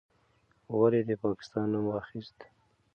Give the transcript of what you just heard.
ولې دې د پاکستان نوم واخیست؟